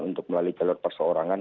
untuk melalui jalur perseorangan